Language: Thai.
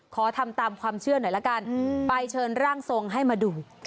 ขอทำตามความเชื่อหน่อยละกันไปเชิญร่างทรงให้มาดู